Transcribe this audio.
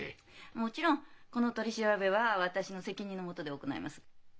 もちろんこの取り調べは私の責任の下で行います。